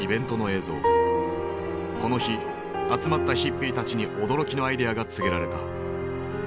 この日集まったヒッピーたちに驚きのアイデアが告げられた。